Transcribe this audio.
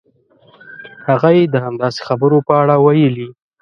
هغه یې د همداسې خبرو په اړه ویلي.